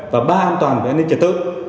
và ba an toàn về an ninh trật tự